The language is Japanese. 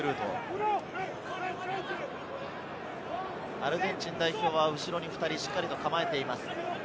アルゼンチン代表は後ろに２人しっかり構えています。